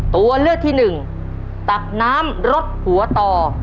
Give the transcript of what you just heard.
ตัวเลือกที่หนึ่งตักน้ำรสหัวต่อ